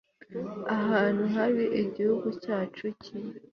Ahantu habi igihugu cyacu cyari